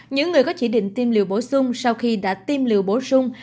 những người có chỉ định tiêm liều bổ sung sau khi đã tiêm liều bổ sung